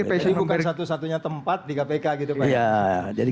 jadi bukan satu satunya tempat di kpk gitu pak